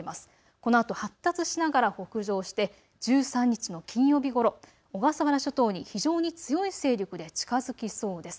このあと発達しながら北上して１３日の金曜日ごろ小笠原諸島に非常に強い勢力で近づきそうです。